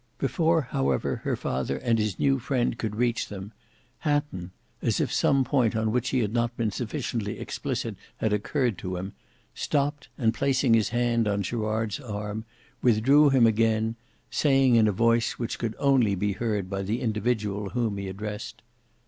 Before however her father and his new friend could reach them, Hatton as if some point on which he had not been sufficiently explicit, had occurred to him, stopped and placing his hand on Gerard's arm, withdrew him again, saying in a voice which could only be heard by the individual whom he addressed.